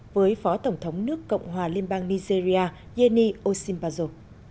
với phó tổng thống nước cộng hòa liên bang nigeria yeni osinbazo